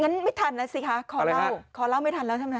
งั้นไม่ทันแล้วศิกขาขอเล่าขอเล่าไม่ทันแล้วใช่มั้ยคะ